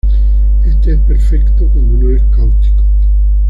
Este es perfecto cuando no es cáustico.